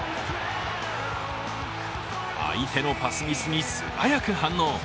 相手のパスミスに素早く反応。